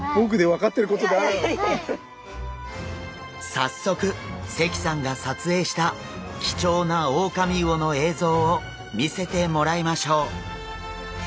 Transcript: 早速関さんが撮影した貴重なオオカミウオの映像を見せてもらいましょう。